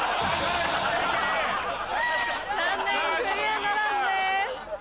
残念クリアならずです。